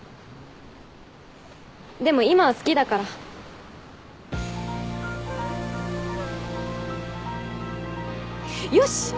でも今は好きだから。よし！